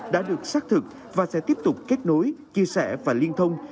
đã được xác thực và sẽ tiếp tục kết nối chia sẻ và liên thông